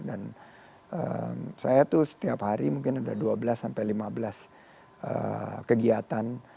dan saya tuh setiap hari mungkin ada dua belas sampai lima belas kegiatan